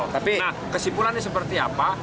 nah kesimpulannya seperti apa